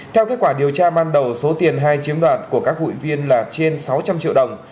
theo kết quả điều tra ban đầu số tiền hai chiếm đoạt của các hụi viên là trên sáu trăm linh triệu đồng